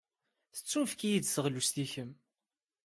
Tettunefk-iyi-d teɣlust i kemm.